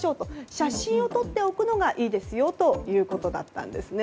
写真を撮っておくのがいいですよということだったんです。